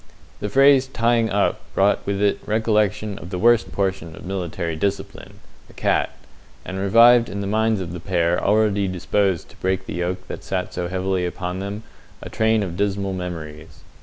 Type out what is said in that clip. The phrase "tying up" brought with it recollection of the worst portion of military discipline, the cat, and revived in the minds of the pair already disposed to break the yoke that sat so heavily upon them, a train of dismal memories.